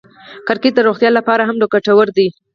کرکټ د روغتیا له پاره هم ګټور دئ.